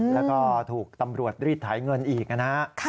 แล้วก็ถูกตำรวจรีดถ่ายเงินอีกนะครับ